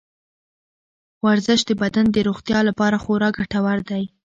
ورزش د بدن د روغتیا لپاره خورا ګټور دی.